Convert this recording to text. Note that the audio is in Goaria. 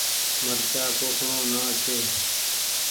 مرچآ پوکڻو نآ ڇي ۔